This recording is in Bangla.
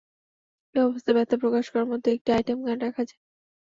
এই অবস্থায় ব্যথা প্রকাশ করার মত, একটি আইটেম গান রাখা যায়।